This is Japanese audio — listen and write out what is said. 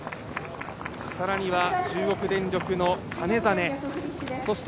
さらには、中国電力の兼実。